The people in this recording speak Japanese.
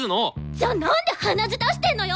じゃなんで鼻血出してんのよ！？